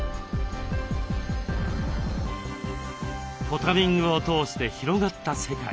ポタリングを通して広がった世界。